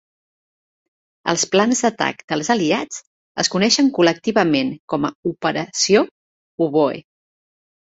Els plans d'atac dels Aliats es coneixen col·lectivament com a Operació Oboe.